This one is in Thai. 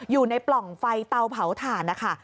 อยู่ในปล่องไฟเตาเผาถ่านนะคะ